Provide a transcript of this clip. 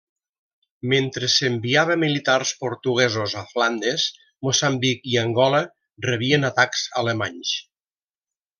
Mentre s'enviava militars portuguesos a Flandes, Moçambic i Angola rebien atacs alemanys.